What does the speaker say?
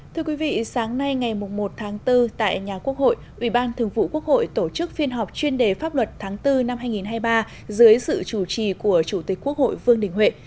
thưa quý vị sáng nay ngày một một bốn tại nhà quốc hội ubthqh tổ chức phiên họp chuyên đề pháp luật tháng bốn năm hai nghìn hai mươi ba dưới sự chủ trì của chủ tịch quốc hội vương đình huệ